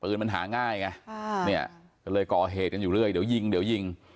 ปืนมันหาง่ายไงเนี่ยก็เลยก่อเหตุกันอยู่เรื่อยเดี๋ยวยิงเดี๋ยวยิง